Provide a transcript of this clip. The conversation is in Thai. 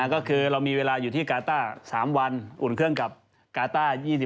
ก็คือเรามีเวลาอยู่ที่กาต้า๓วันอุ่นเครื่องกับกาต้า๒๐